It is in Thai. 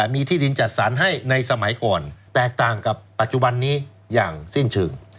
มีที่ดินจัดสรรให้ในสมัยก่อนแตกต่างกับปัจจุบันนี้อย่างสิ้นเชิง